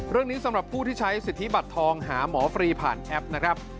สำหรับผู้ที่ใช้สิทธิบัตรทองหาหมอฟรีผ่านแอปนะครับ